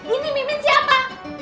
ini mimin siapa